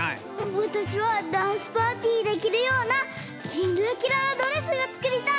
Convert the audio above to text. わたしはダンスパーティーできるようなキラキラのドレスがつくりたい！